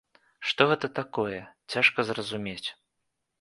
Што гэта такое, цяжка зразумець.